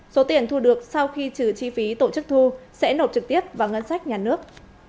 số tiền thu được sau khi trừ chi phí tổ chức thu sẽ nộp trực tiếp vào ngân sách nhà nước